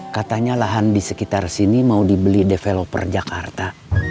katanya lahan di sekitar sini mau dibeli developer jakarta